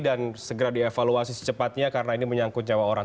dan segera dievaluasi secepatnya karena ini menyangkut nyawa orang